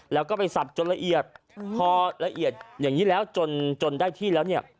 แล้วก็ไปสับจนละเอียดพอละเอียดอย่างนี้แล้วจนได้ที่แล้วเนี่ย